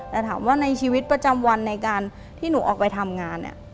แต่ถามว่าในชีวิตประจำวันในการที่หนูออกไปทำงานเนี่ย